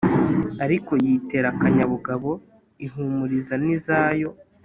ariko yitera akanyabugabo, ihumuriza n'izayo